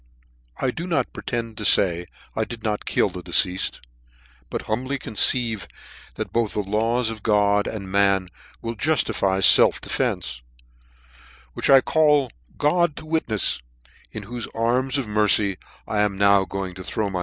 I do not pretend to fay, I did not kill the de ceafed j but humbly conceive, that both the laws of God and man will juftify felt defence ; which I call God to witnefs, into whofc arms of mercy I am now going to throw rnyfelf, wasjny cafe.